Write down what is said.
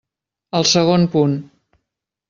El segon punt.